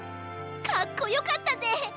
かっこよかったぜ。